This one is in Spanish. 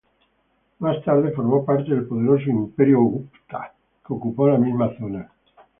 Más tarde formó parte del poderoso Imperio gupta, que ocupó la misma zona.